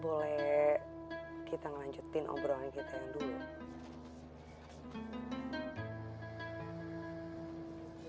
boleh kita ngelanjutin obrolan kita yang dulu